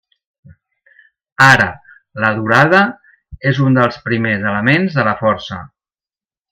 Ara, la durada és un dels primers elements de la força.